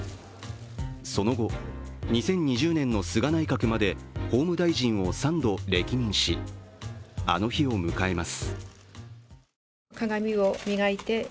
その後、２０２０年の菅内閣まで法務大臣を３度歴任し、あの日を迎えます。